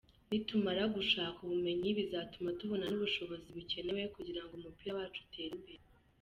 Nitumara gushaka ubumenyi bizatuma tubona n’ubushobozi bukenewe kugira ngo umupira wacu utere imbere.